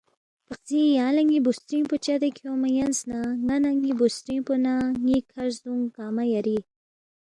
پقزی یانگ لہ نی بُوسترِن٘گ پو چدے کھیونگما یَنس نہ ن٘ا نہ نِ٘ی بُوسترِنگ پو نہ ن٘ی کَھر زدونگ گنگمہ یری،